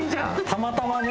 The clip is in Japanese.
たまたまね？